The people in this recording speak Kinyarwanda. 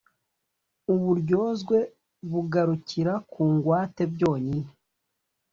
uburyozwe bugarukira ku ngwate byonyine